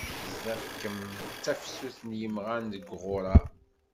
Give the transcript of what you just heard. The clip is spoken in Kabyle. Ẓḍiɣ-kem d tafsut s yimɣan deg uɣuṛaṛ.